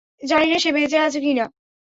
জানিনা সে বেঁচে আছে কিনা।